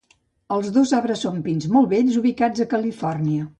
Els dos arbres són pins molt vells ubicats a Califòrnia.